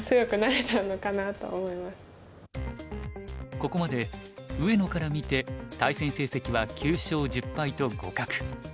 ここまで上野から見て対戦成績は９勝１０敗と互角。